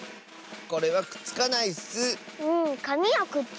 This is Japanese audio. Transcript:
これはくっつかないッス！